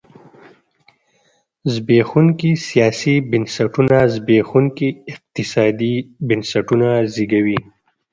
زبېښونکي سیاسي بنسټونه زبېښونکي اقتصادي بنسټونه زېږوي.